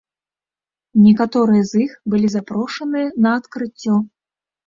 Некаторыя з іх былі запрошаныя на адкрыццё.